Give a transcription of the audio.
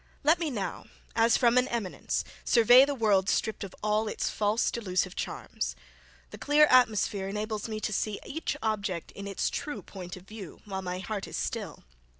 Let me now, as from an eminence, survey the world stripped of all its false delusive charms. The clear atmosphere enables me to see each object in its true point of view, while my heart is still.